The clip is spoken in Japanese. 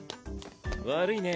悪いね